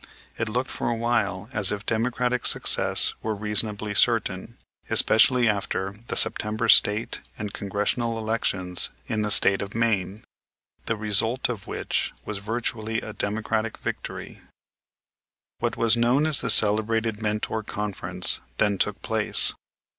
It looked for a while as if Democratic success were reasonably certain, especially after the September State and Congressional elections in the State of Maine, the result of which was virtually a Democratic victory. What was known as the celebrated Mentor Conference then took place.